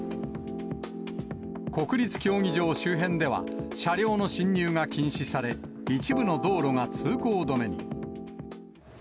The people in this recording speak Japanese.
国立競技場周辺では車両の進入が禁止され、一部の道路が通行止めに。